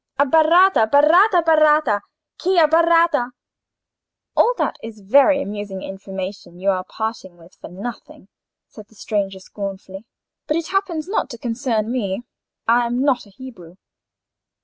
—Abbaratta, baratta, b'ratta—chi abbaratta?" "All that is very amusing information you are parting with for nothing," said the stranger, rather scornfully; "but it happens not to concern me. I am no Hebrew."